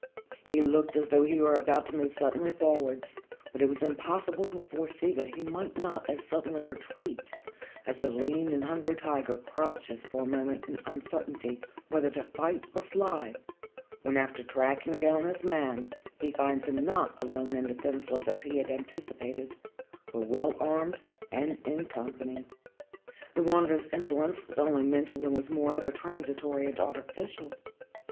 He looked as though he were about to move suddenly forwards, but it was impossible to foresee that he might not as suddenly retreat, as a lean and hungry tiger crouches for a moment in uncertainty whether to fight or fly, when after tracking down his man he finds him not alone and defenceless as he had anticipated, but well armed and in company. The Wanderer's indolence was only mental, and was moreover transitory and artificial.